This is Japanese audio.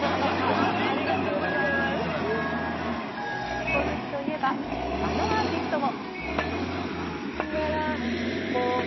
猫好きと言えば、あのアーティストも。